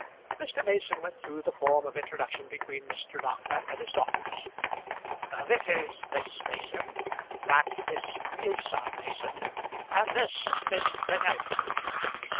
Mr. Mason went through the form of introduction between Mr. Dockwrath and his daughters. "That is Miss Mason, that Miss Creusa Mason, and this Miss Penelope.